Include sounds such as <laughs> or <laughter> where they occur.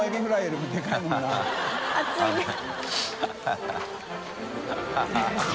ハハハ <laughs>